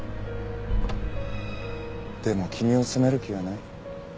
でも君を責める気はない。